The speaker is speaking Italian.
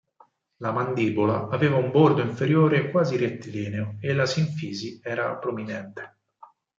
La mandibola aveva un bordo inferiore quasi rettilineo, e la sinfisi era prominente.